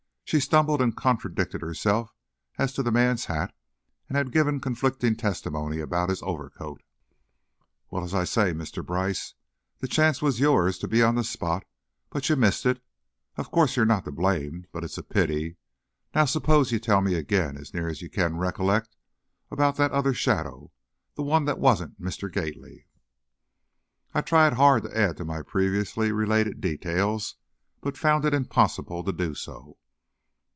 She stumbled and contradicted herself as to the man's hat and had given conflicting testimony about his overcoat. "Well, as I say, Mr. Brice, the chance was yours to be on the spot but you missed it. Of course, you are not to blame, but it's a pity. Now, s'pose you tell me again, as near as you can rec'lect, about that other shadow, the one that wasn't Mr. Gately." I tried hard to add to my previously related details, but found it impossible to do so.